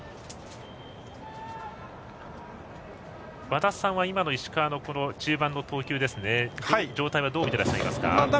和田さんは今の石川の中盤の投球を見て状態はどう見ていらっしゃいますか？